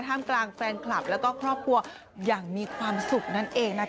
กลางแฟนคลับแล้วก็ครอบครัวอย่างมีความสุขนั่นเองนะคะ